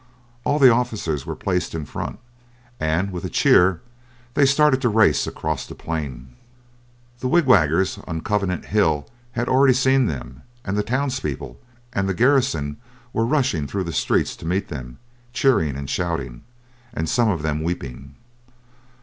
All the officers were placed in front, and with a cheer they started to race across the plain. The wig waggers on Convent Hill had already seen them, and the townspeople and the garrison were rushing through the streets to meet them, cheering and shouting, and some of them weeping.